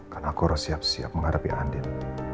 karena aku harus siap siap menghadapi andin